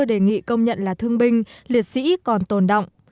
đề nghị công nhận là thương binh liệt sĩ còn tồn động